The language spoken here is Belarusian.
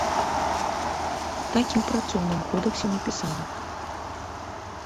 Так і ў працоўным кодэксе напісана.